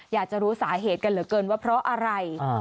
อยากจะรู้สาเหตุกันเหลือเกินว่าเพราะอะไร